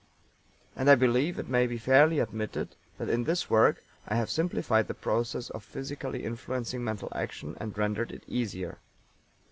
And I believe it may be fairly admitted that in this work I have simplified the process of physically influencing mental action and rendered it easier.